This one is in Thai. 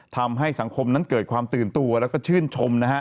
ทำให้สังคมนั้นเกิดความตื่นตัวและชื่นชม